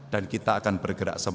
dan kita akan bergerak